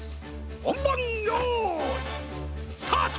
ほんばんよういスタート！